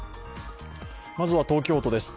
まずは東京都です。